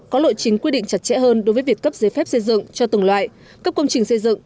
có lộ chính quy định chặt chẽ hơn đối với việc cấp giấy phép xây dựng cho từng loại cấp công trình xây dựng